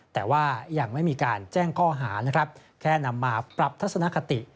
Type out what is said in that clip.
แต่ว่ายังไม่มีการแจ้งข้อหานะครับแค่นำมาปรับทัศนคติ